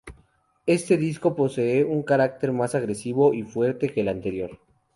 Este disco posee un carácter más agresivo y fuerte que el anterior.